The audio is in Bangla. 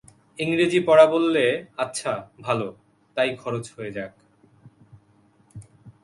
ইংরেজি-পড়া বললে, আচ্ছা, ভালো, তাই খরচ হয়ে যাক।